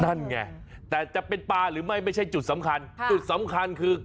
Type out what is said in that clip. นั่นไงแต่จะเป็นปลาหรือไม่ไม่ใช่จุดสำคัญจุดสำคัญคือ